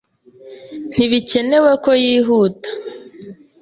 Ntibikenewe ko yihuta.